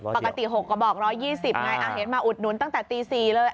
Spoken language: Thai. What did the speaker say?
ปกติ๖กระบอก๑๒๐ไงเห็นมาอุดหนุนตั้งแต่ตี๔เลย